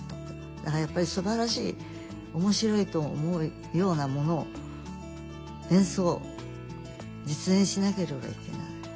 だからやっぱりすばらしい面白いと思うようなものを演奏実演しなければいけない。